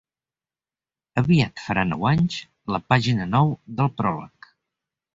Aviat farà nou anys La pàgina nou del pròleg.